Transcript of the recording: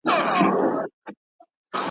چی په دوی کی څوک احمق وي هغه خر دی `